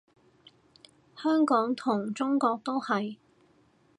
香港同中國都係